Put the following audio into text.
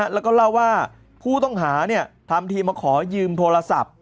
แล้วก็เล่าว่าผู้ต้องหาทำทีมาขอยืมโทรศัพท์